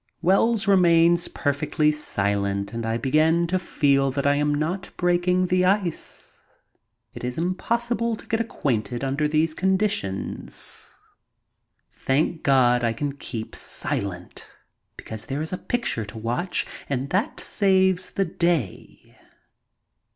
Wells remains perfectly silent and I begin to feel that I am not breaking the ice. It is impossible to get acquainted under these conditions. Thank God, I can keep silent, because there is the picture to watch and that saves the day.